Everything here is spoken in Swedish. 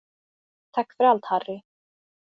Tack för allt, Harry.